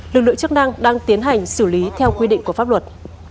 lực lượng chức năng đang tiến hành xử lý theo quy định của pháp luật